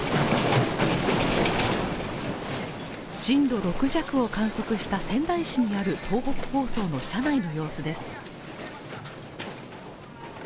震度６弱を観測した仙台市にある東北放送の社内の様子です。